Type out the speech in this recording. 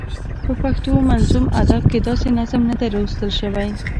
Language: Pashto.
په پښتو منظوم ادب کې داسې نظم نه دی لوستل شوی.